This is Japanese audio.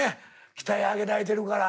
鍛え上げられてるから。